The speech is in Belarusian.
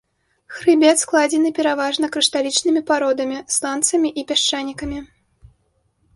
Хрыбет складзены пераважна крышталічнымі пародамі, сланцамі і пясчанікамі.